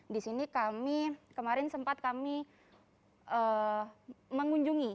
di sini kami kemarin sempat kami mengunjungi